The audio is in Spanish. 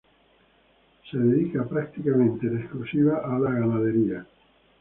Se dedica prácticamente en exclusiva a la ganadería.